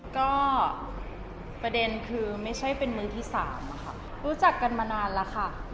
ก็ประเด็นคือไม่ใช่เป็นมือที่สามอะค่ะรู้จักกันมานานแล้วค่ะ